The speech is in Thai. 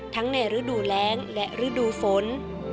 ในฤดูแรงและฤดูฝน